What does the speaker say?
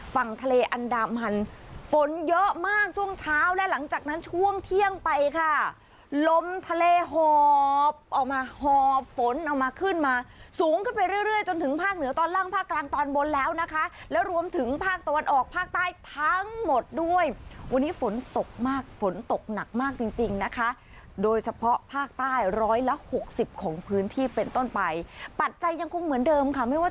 ฝั่งทะเลอันดามันฝนเยอะมากช่วงเช้าและหลังจากนั้นช่วงเที่ยงไปค่ะลมทะเลหอบออกมาหอบฝนเอามาขึ้นมาสูงขึ้นไปเรื่อยจนถึงภาคเหนือตอนล่างภาคกลางตอนบนแล้วนะคะแล้วรวมถึงภาคตะวันออกภาคใต้ทั้งหมดด้วยวันนี้ฝนตกมากฝนตกหนักมากจริงจริงนะคะโดยเฉพาะภาคใต้ร้อยละหกสิบของพื้นที่เป็นต้นไปปัจจัยยังคงเหมือนเดิมค่ะไม่ว่า